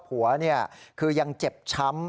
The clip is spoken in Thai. ผัวเนี่ยคือยังเจ็บช้ำ